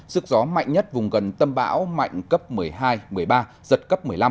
sức gió mạnh nhất vùng gần tâm bão mạnh cấp một mươi hai một mươi ba giật cấp một mươi năm